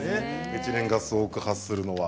エチレンガスを多く発するのは。